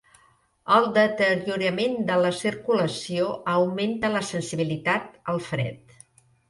El deteriorament de la circulació augmenta la sensibilitat al fred.